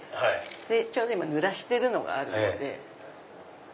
ちょうどぬらしてるのがあるので。